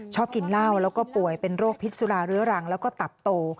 ชอบกินเหล้าแล้วก็ป่วยเป็นโรคพิษสุราเรื้อรังแล้วก็ตับโต